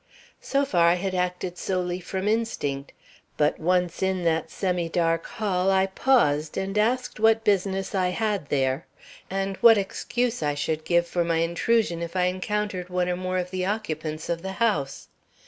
"So far, I had acted solely from instinct; but once in that semi dark hall, I paused and asked what business I had there, and what excuse I should give for my intrusion if I encountered one or more of the occupants of the house.